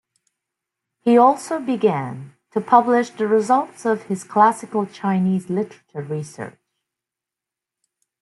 He also began to publish the results of his classical Chinese literature research.